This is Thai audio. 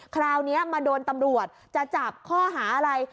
คราวนี้มาโดนตำรวจจะจับข้อหาอะไร